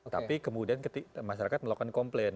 tapi kemudian masyarakat melakukan komplain